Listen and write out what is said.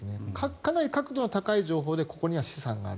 かなり確度が高い情報でここには資産がある。